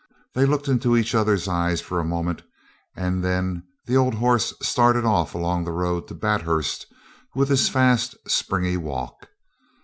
They looked in each other's eyes for a minute, and then the old horse started off along the road to Bathurst with his fast, springy walk.